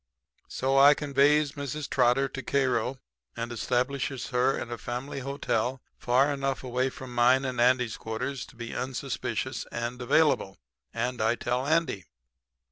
"So I conveys Mrs. Trotter to Cairo and establishes her in a family hotel far enough away from mine and Andy's quarters to be unsuspicious and available, and I tell Andy.